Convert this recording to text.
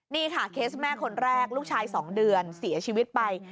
นี่ค่ะเคสแม่คนแรกลูกชาย๒เดือนเสียชีวิตไป